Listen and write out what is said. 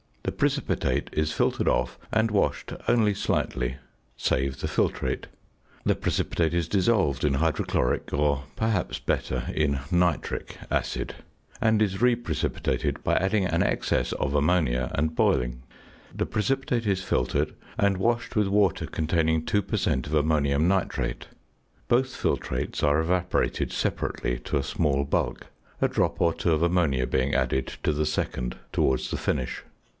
The precipitate is filtered off and washed only slightly. Save the filtrate. The precipitate is dissolved in hydrochloric, or, perhaps better, in nitric acid; and is reprecipitated by adding an excess of ammonia and boiling. The precipitate is filtered and washed with water containing 2 per cent. of ammonium nitrate. Both filtrates are evaporated separately to a small bulk, a drop or two of ammonia being added to the second towards the finish.